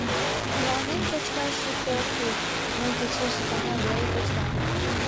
Мыланем кочкаш шуко ок кӱл: мый кечеш икана веле кочкам.